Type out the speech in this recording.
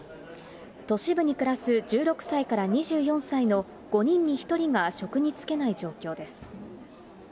都市部に暮らす１６歳から２４歳の５人に１人が職に就けない状況